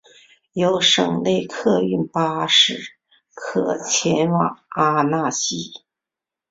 有省内客运巴士可前往阿讷西。